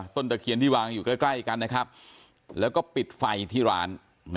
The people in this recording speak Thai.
ตะเคียนที่วางอยู่ใกล้กันนะครับแล้วก็ปิดไฟที่ร้าน